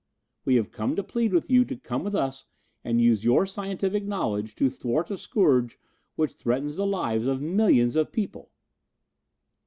We have come to plead with you to come with us and use your scientific knowledge to thwart a scourge which threatens the lives of millions of people."